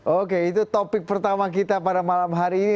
oke itu topik pertama kita pada malam hari ini